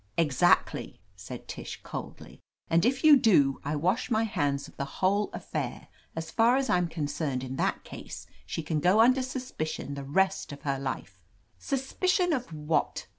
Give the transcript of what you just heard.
"Exactly," said Tish, coldly. "And if you do, I wash my hands of the whole affair. As far as I'm concerned in that case, she can go under suspicion the rest of her life." "Suspicion of what?"